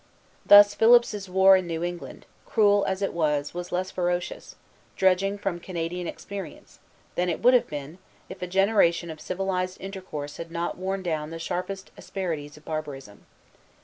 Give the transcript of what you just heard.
Thus Philip's war in New England, cruel as it was, was less ferocious, judging from Canadian experience, than it would have been, if a generation of civilized intercourse had not worn down the sharpest asperities of barbarism.